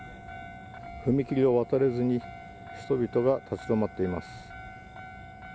踏切を渡れずに、人々が立ち止まっています。